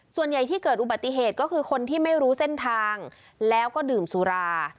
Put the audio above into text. ส่วนใหญ่ที่เกิดอุบัติเหตุก็คือคนที่ไม่รู้เส้นทางแล้วก็ดื่มสุรา